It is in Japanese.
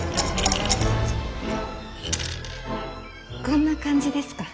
こんな感じですか。